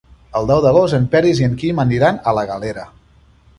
El deu d'agost en Peris i en Quim aniran a la Galera.